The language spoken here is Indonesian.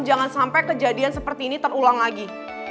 jangan sampai kejadian seperti ini terulang lagi